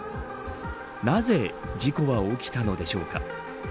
なぜ事故は起きたのでしょうか。